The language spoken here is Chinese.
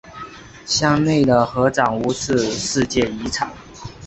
乡内的合掌屋是世界遗产。